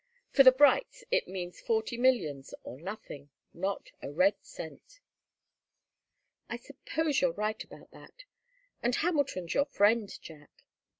For the Brights it means forty millions or nothing not a red cent." "I suppose you're right about that. And Hamilton's your friend, Jack."